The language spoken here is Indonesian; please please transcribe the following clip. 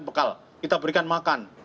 bekal kita berikan makan